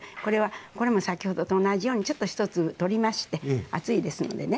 これも先ほどと同じようにちょっと１粒取りまして熱いですのでね